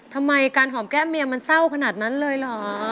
ทำไมการหอมแก้มเมียมันเศร้าขนาดนั้นเลยเหรอ